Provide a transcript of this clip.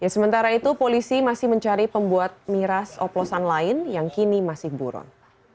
sementara itu polisi masih mencari pembuat miras oplosan lain yang kini masih buron